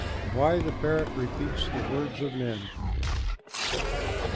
'" WHY THE PARROT REPEATS THE WORDS OF MEN.